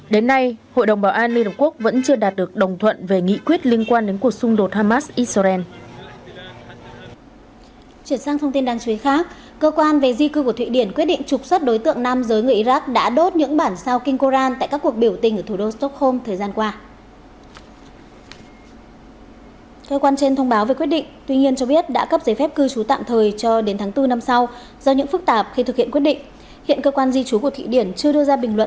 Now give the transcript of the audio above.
đến nay hội đồng bảo an liên hợp quốc vẫn chưa đạt được đồng thuận về nghị quyết liên quan đến cuộc xung đột hamas israel